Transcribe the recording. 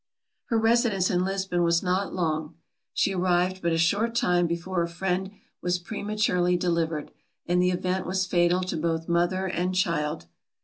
Her residence in Lisbon was not long. She arrived but a short time before her friend was prematurely delivered, and the event was fatal to both mother and child.